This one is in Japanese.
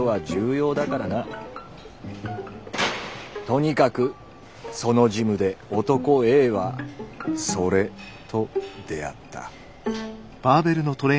とにかくそのジムで「男Ａ」は「それ」と出会った。